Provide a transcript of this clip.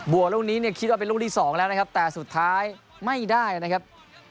บวกรุ่นนี้คิดว่าเป็นลูกที่๒แล้วนะครับแต่สุดท้ายไม่ได้นะครับ